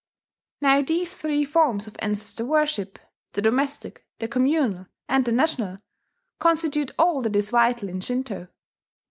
Now these three forms of ancestor worship, the domestic, the communal, and the national, constitute all that is vital in Shinto.